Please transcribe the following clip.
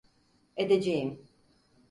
Edeceğim.